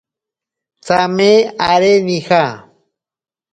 Tsame aré nija.